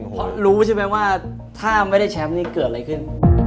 เพราะรู้ใช่ไหมว่าถ้าไม่ได้แชมป์นี้เกิดอะไรขึ้น